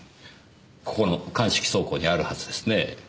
ここの鑑識倉庫にあるはずですね。